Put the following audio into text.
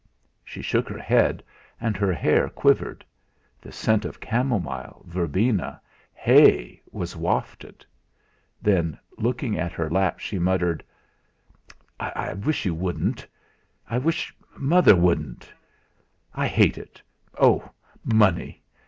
She shook her head, and her hair quivered; the scent of camomile, verbena, hay was wafted; then looking at her lap, she muttered: "I wish you wouldn't I wish mother wouldn't I hate it. Oh! Money!